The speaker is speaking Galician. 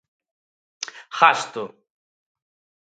Ghasto.